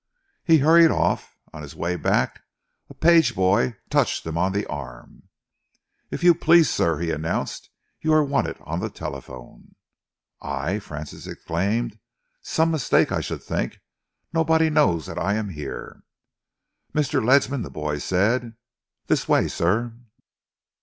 He hurried off. On his way back, a page boy touched him on the arm. "If you please, sir," he announced, "you are wanted on the telephone." "I?" Francis exclaimed. "Some mistake, I should think. Nobody knows that I am here." "Mr. Ledsam," the boy said. "This way, sir."